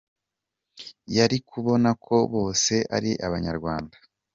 Yari kubona ko bose ari Abanyarwanda.